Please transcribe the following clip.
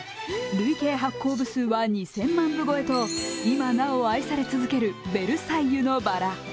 累計発行部数は２０００万部超えと今なお愛される「ベルサイユのばら」。